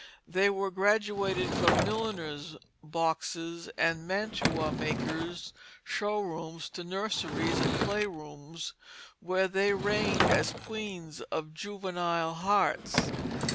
They were graduated from milliners' boxes and mantua makers' show rooms to nurseries and play rooms where they reigned as queens of juvenile hearts.